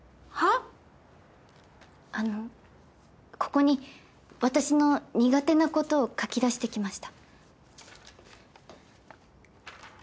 ここに私の苦手なことを書き出してきました。